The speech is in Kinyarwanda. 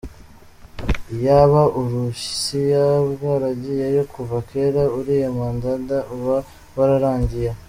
Iyaba uburusiya bwaragiyeyo kuva kera, uriya mwanda uba wararangiye.